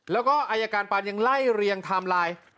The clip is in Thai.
แล้วก็อายการปานยังไล่เรียงไทม์ไลน์